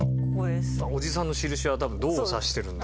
おじさんの印は多分「ド」を指してるんだ。